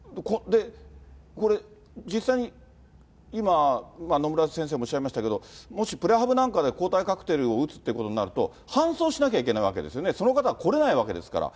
これ実際に、今、野村先生もおっしゃいましたけれども、もしプレハブなんかで抗体カクテルを打つってことになると、搬送しなきゃいけないわけですよね、その方は来れないわけですから。